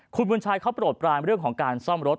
คุณบุญชัยเขาโปรดปลายเรื่องของการซ่อมรถ